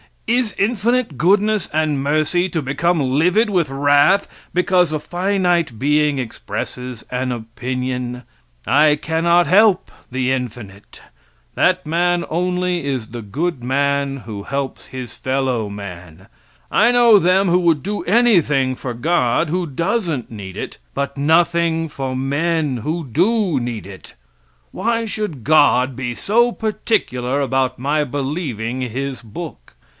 Is infinite goodness and mercy to become livid with wrath because a finite being expresses an opinion? I cannot help the infinite. That man only is the good man who helps his fellow man. I know then who would do anything for God, who doesn't need it, but nothing for men, who do need it. Why should God be so particular about my believing his book?